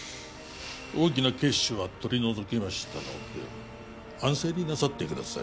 大きな血腫は取り除きましたので安静になさってください